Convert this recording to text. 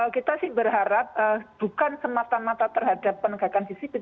kita sih berharap bukan semata mata terhadap penegakan disiplin